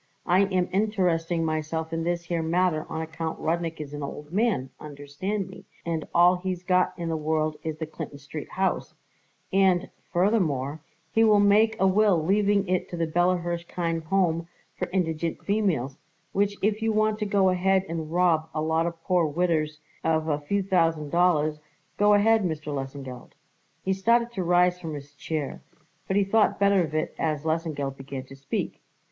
I am interesting myself in this here matter on account Rudnik is an old man, understand me, and all he's got in the world is the Clinton Street house; and, furthermore, he will make a will leaving it to the Bella Hirshkind Home for Indignant Females, which if you want to go ahead and rob a lot of poor old widders of a few thousand dollars, go ahead, Mr. Lesengeld." He started to rise from his chair, but he thought better of it as Lesengeld began to speak.